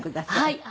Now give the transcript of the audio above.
はい。